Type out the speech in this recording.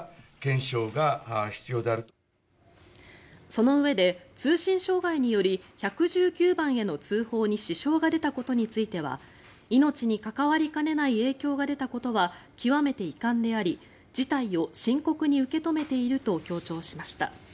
そのうえで、通信障害により１１９番への通報に支障が出たことについては命に関わりかねない影響が出たことは極めて遺憾であり事態を深刻に受け止めていると強調しました。